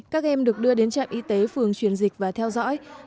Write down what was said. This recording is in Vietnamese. các em được đưa đến trạm y tế phường chuyển dịch và theo dõi